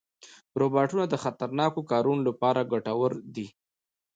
روبوټونه د خطرناکو کارونو لپاره ګټور دي.